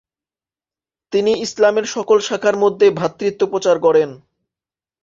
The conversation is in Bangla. তিনি ইসলামের সকল শাখার মধ্যে ভ্রাতৃত্ব প্রচার করেন।